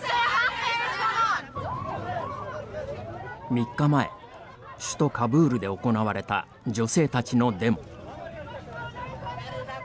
３日前、首都カブールで行われた女性たちのデモ。